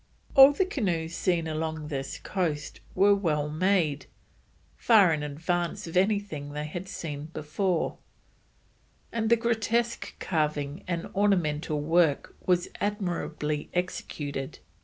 All the canoes seen along this coast were well made, far in advance of anything they had seen before, and the grotesque carving and ornamental work was admirably executed.